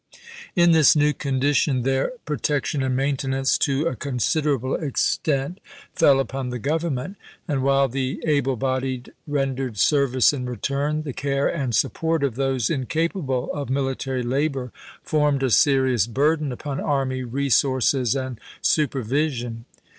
In this new condition, their pro tection and maintenance to a considerable extent 356 ABKAHAM LINCOLN 'ch. xvn. fell upon the Grovernment ; and while the able bodied rendered service in return, the care and support of those incapable of military labor formed a serious burden upon army resources and super vision.